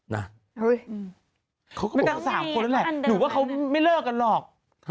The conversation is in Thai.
ไม่ตั้งสามคนนั่นแหละหนูว่าเขาไม่เลิกกันหรอก